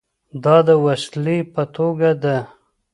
دا د وسیلې په توګه ده.